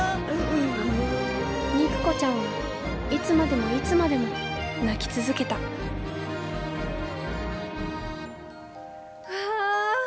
肉子ちゃんはいつまでもいつまでも泣き続けたわあ。